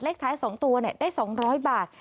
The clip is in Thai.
ท้าย๒ตัวได้๒๐๐บาท